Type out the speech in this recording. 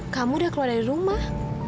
kamu udah keluar dari rumah